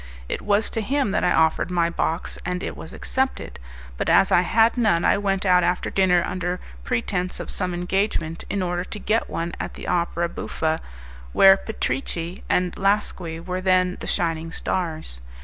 It was to him that I offered my box, and it was accepted; but as I had none, I went out after dinner under pretence of some engagement, in order to get one at the opera buffa, where Petrici and Lasqui were then the shining stars.